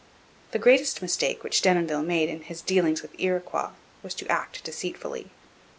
The greatest mistake which Denonville made in his dealings with the Iroquois was to act deceitfully.